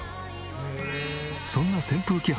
そんな扇風機